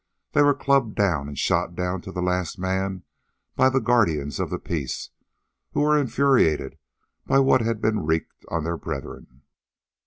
They were clubbed down and shot down to the last man by the guardians of the peace who were infuriated by what had been wreaked on their brethren.